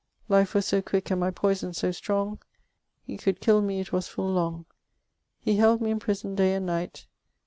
. lyffe was so quick and my poyson so strounge .... e cowlde kyll me it was full lounge .... he hyld me in prison day and nyght